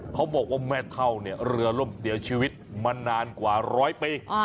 เขาบอกว่าแม่เท่าเนี่ยเรือล่มเสียชีวิตมานานกว่าร้อยปี